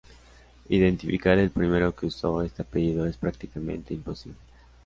Identificar el primero que usó este apellido es prácticamente imposible.